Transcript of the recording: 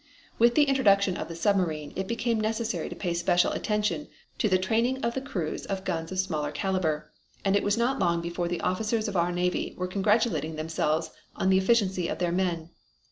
With the introduction of the submarine, it became necessary to pay special attention to the training of the crews of guns of smaller caliber, and it was not long before the officers of our Navy were congratulating themselves on the efficiency of their men.